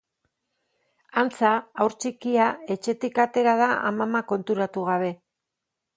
Antza, haur txikia etxetik atera da amama konturatu gabe.